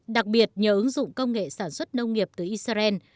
đặc biệt nhờ ứng dụng công nghệ sản xuất nông nghiệp từ israel